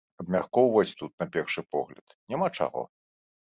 Абмяркоўваць тут, на першы погляд, няма чаго.